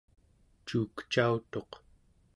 cuukcautuq